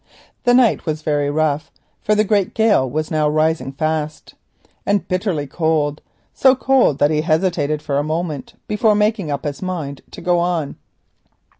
The night was very rough, for the great gale was now rising fast, and bitterly cold, so cold that he hesitated for a moment before making up his mind to go on.